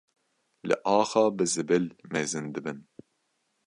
li axa bi zibil mezin dibin.